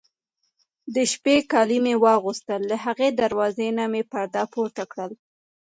د شپې کالي مې واغوستل، له هغې دروازې نه مې پرده پورته کړل.